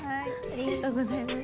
ありがとうございます。